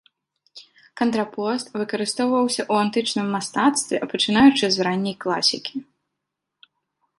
Кантрапост выкарыстоўваўся ў антычным мастацтве пачынаючы з ранняй класікі.